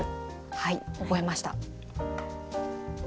はい覚えました！